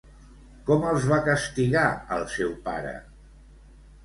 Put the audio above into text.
Com els va castigar el seu pare?